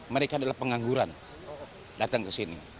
mereka adalah pengangguran datang ke sini